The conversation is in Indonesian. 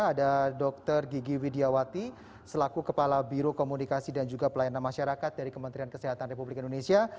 ada dr gigi widiawati selaku kepala biro komunikasi dan juga pelayanan masyarakat dari kementerian kesehatan republik indonesia